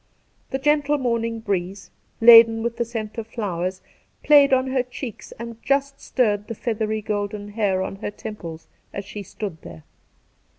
The gentle morning breeze, laden with "the scent of flowers, played on her cheeks and just stirred the feathery golden hair on her temples as she stood there.